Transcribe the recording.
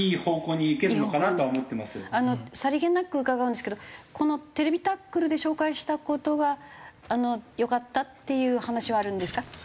さりげなく伺うんですけどこの『ＴＶタックル』で紹介した事がよかったっていう話はあるんですか？